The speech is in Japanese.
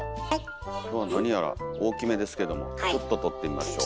今日は何やら大きめですけどもちょっと取ってみましょう。